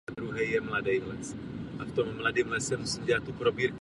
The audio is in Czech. Zde ho trápila četná zranění.